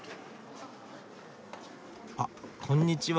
あっこんにちは。